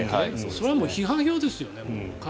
それは批判票ですよね。